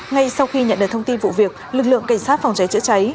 ngay sau khi nhận được thông tin vụ việc lực lượng cảnh sát phòng cháy chữa cháy